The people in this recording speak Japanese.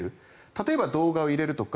例えば動画を入れるとか。